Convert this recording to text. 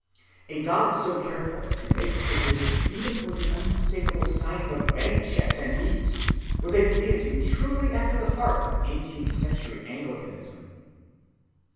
A God so careful as to make provision even for the unmistakable signing of bank checks and deeds was a deity truly after the heart of eighteenth century Anglicanism.